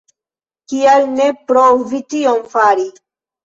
Kial ne provi tion fari?